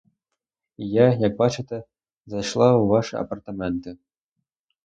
І я, як бачите, зайшла у ваші апартаменти.